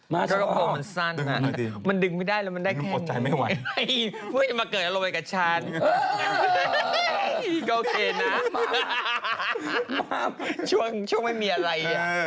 มาสองดึงมันได้ดีดึงมันได้แค่นี้พูดให้มันเกิดอันโรวิดกับฉันโอเคนะช่วงไม่มีอะไร